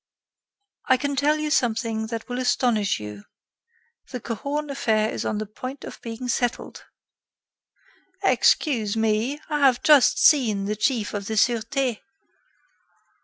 I can tell you something that will astonish you: the Cahorn affair is on the point of being settled." "Excuse me; I have just seen the Chief of the Sureté."